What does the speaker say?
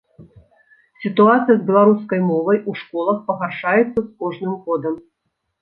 Сітуацыя з беларускай мовай у школах пагаршаецца з кожным годам.